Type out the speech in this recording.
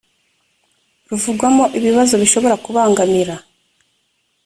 ruvugwamo ibibazo bishobora kubangamira